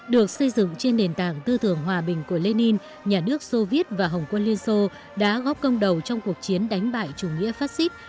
được xây dựng trên nền tảng tư thưởng hòa bình của lê ninh nhà nước soviet và hồng quân liên xô đã góp công đầu trong cuộc chiến đánh bại chủ nghĩa fascist